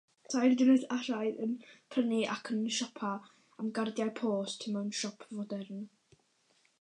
Tair dynes asiaidd yn prynu ac yn siopa am gardiau post mewn siop fodern.